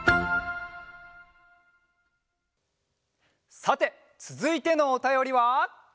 さてつづいてのおたよりは。